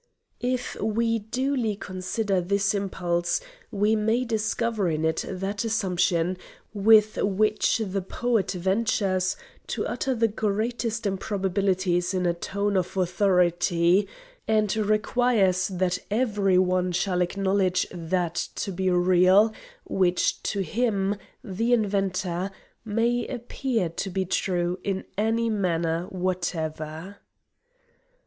"If we duly consider this impulse, we may discover in it that assumption, with which the poet ventures to utter the greatest improbabilities in a tone of authority, and requires that every one shall acknowledge that to be real, which to him, the inventor, may appear to be true in any manner whatever.